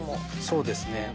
そうですね。